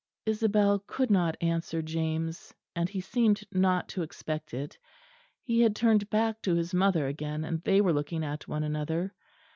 Isabel could not answer James; and he seemed not to expect it; he had turned back to his mother again, and they were looking at one another.